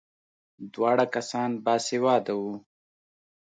دواړه کسان باسواده وو.